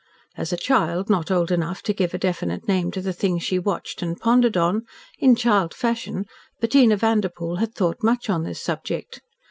As a child, not old enough to give a definite name to the thing she watched and pondered on, in child fashion, Bettina Vanderpoel had thought much on this subject.